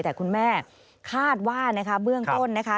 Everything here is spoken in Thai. แต่คุณแม่คาดว่านะคะเบื้องต้นนะคะ